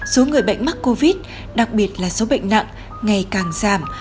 số người bệnh mắc covid đặc biệt là số bệnh nặng ngày càng giảm